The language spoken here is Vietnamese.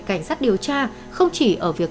cảnh sát điều tra không chỉ ở việc